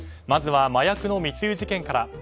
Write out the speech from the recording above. まずは麻薬の密輸事件から。